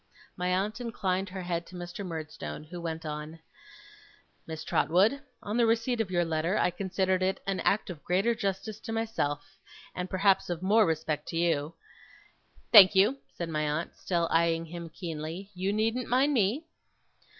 My aunt inclined her head to Mr. Murdstone, who went on: 'Miss Trotwood: on the receipt of your letter, I considered it an act of greater justice to myself, and perhaps of more respect to you ' 'Thank you,' said my aunt, still eyeing him keenly. 'You needn't mind me.